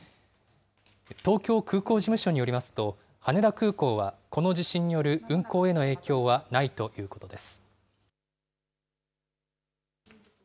東京空港事務所によりますと、羽田空港はこの地震による運航への影響はないということです。